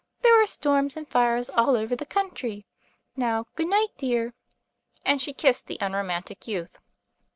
" There are storms and fires all over the country. Now, goodnight, dear!" and she kissed the unromantic youth.